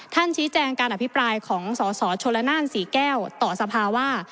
ชี้แจงการอภิปรายของสสชลนานศรีแก้วต่อสภาว่า